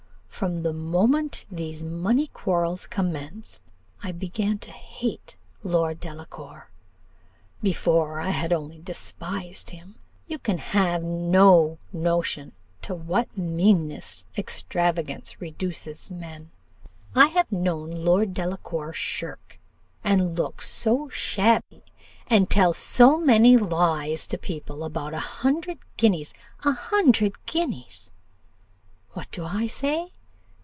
From the moment these money quarrels commenced, I began to hate Lord Delacour; before, I had only despised him. You can have no notion to what meanness extravagance reduces men. I have known Lord Delacour shirk, and look so shabby, and tell so many lies to people about a hundred guineas a hundred guineas! what do I say?